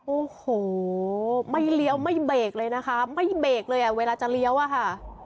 โอ้โหไม่เลี้ยวไม่เบรกเลยนะคะไม่เบรกเลยอ่ะเวลาจะเลี้ยวอะค่ะ